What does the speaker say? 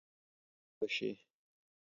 هوښیار به شې !